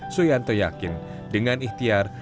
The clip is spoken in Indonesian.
suyanto yakin dengan ihtiar